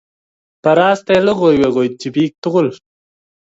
Baraste logoiwek koitchi biik tugul